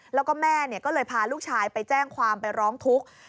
แล้วก็แม่ก็เลยพาลูกชายไปแจ้งความไปร้องทุกข์